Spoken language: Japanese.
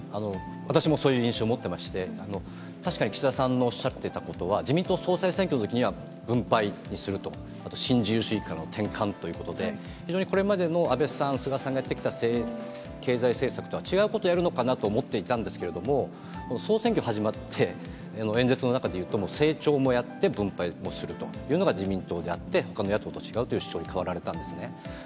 私もそういう印象を持ってまして、確かに岸田さんのおっしゃっていたことは、自民党総裁選挙のときには、分配すると、あと、新自由主義からの転換ということで、非常にこれまでの安倍さん、菅さんがやってきた経済政策とは、違うことやるのかなと思っていたんですけれども、総選挙始まって、演説の中で、成長もやって分配もするというのが自民党であって、ほかの野党と違うという主張に変わられたんですね。